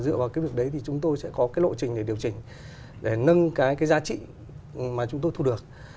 dựa vào việc đấy thì chúng tôi sẽ có lộ trình để điều chỉnh để nâng giá trị mà chúng tôi thu được